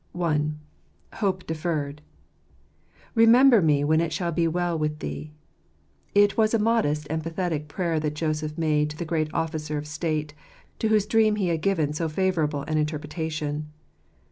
I. Hope Deferred. — u Remember me when it shall be well with thee." It was a modest and pathetic prayer that Joseph made to the great officer of state, to whose dream he had given so favourable an interpretation.